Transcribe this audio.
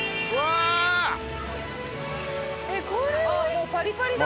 もうパリパリだ。